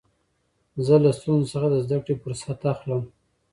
زه له ستونزو څخه د زدکړي فرصت اخلم.